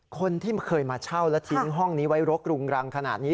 คนที่เคยมาเช่าและทิ้งห้องนี้ไว้รกรุงรังขนาดนี้